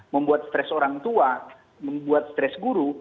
membuat stres orang tua membuat stres guru